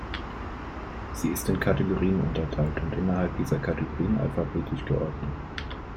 Sie ist in Kategorien unterteilt und innerhalb dieser Kategorien alphabetisch geordnet.